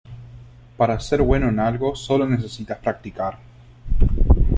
Para ser bueno en algo solo necesitas practicar.